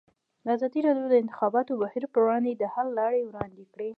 ازادي راډیو د د انتخاباتو بهیر پر وړاندې د حل لارې وړاندې کړي.